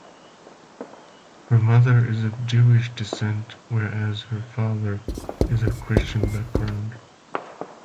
Her mother is of Jewish descent, whereas her father is of Christian background.